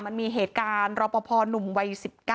มันมีเหตุการณ์รอปภหนุ่มวัย๑๙